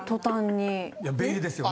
いや便利ですよね。